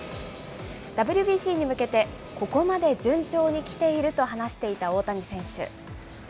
ＷＢＣに向けて、ここまで順調に来ていると話していた大谷選手。